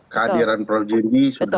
kehadiran pro jimli sudah